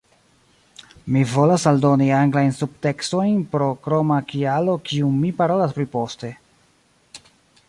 Mi volas aldoni anglajn subtekstojn pro kroma kialo kiun mi parolos pri poste